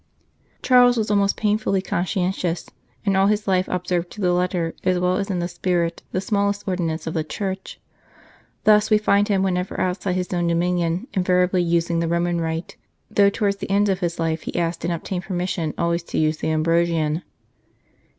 Charles was almost painfully conscientious, and all his life observed to the letter, as well as in the spirit, the smallest ordinance of the Church. Thus, we find him whenever outside his own dominion invariably using the Roman Rite, though towards the end of his life he asked and obtained permission always to use the Ambrosian.